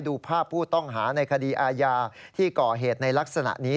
ดูภาพผู้ต้องหาในคดีอาญาที่ก่อเหตุในลักษณะนี้